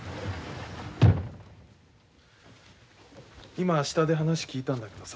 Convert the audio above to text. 今下で話聞いたんだけどさ。